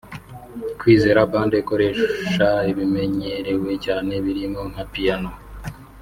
Kwizera Band ikoresha ibimenyerewe cyane birimo nka Piano